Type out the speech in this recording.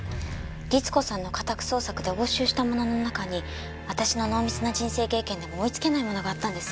律子さんの家宅捜索で押収したものの中に私の濃密な人生経験でも追いつけないものがあったんです。